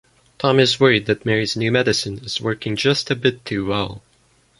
Tom is worried that Mary's new medicine is working just a bit too well.